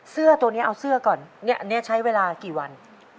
เสื้อตัวนี้เอาเสื้อก่อนอันนี้ใช้เวลากี่วัน